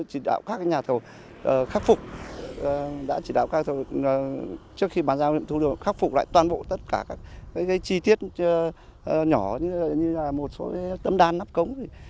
các nhà thầu khắc phục đã chỉ đạo các nhà thầu trước khi bán giao nghiệm thu được khắc phục lại toàn bộ tất cả các cái chi tiết nhỏ như là một số tâm đan nắp cống